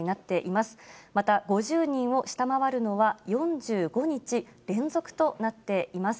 また、５０人を下回るのは４５日連続となっています。